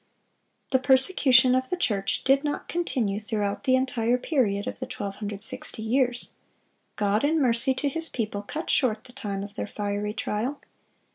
The persecution of the church did not continue throughout the entire period of the 1260 years. God in mercy to His people cut short the time of their fiery trial.